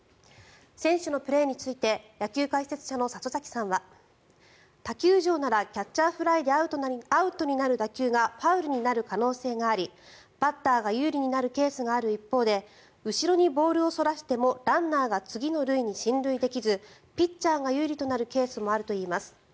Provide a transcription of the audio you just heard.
選手のプレーについて野球解説者の里崎さんは他球場ならキャッチャーフライでアウトになる打球がファウルになる可能性がありバッターが有利になるケースがある一方で後ろにボールをそらしてもランナーが次の塁に進塁できずピッチャーが有利となるケースもあるといいます。